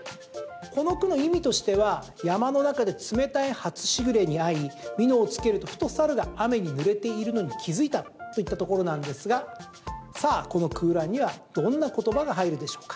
この句の意味としては山の中で冷たい初時雨に遭いみのをつけると、ふと猿が雨にぬれているのに気付いたといったところなんですがさあ、この空欄にはどんな言葉が入るでしょうか？